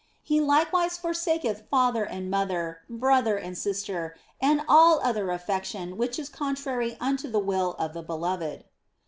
He likewise for saketh father and mother, brother and sister, and all other affection which is contrary unto the will of the beloved.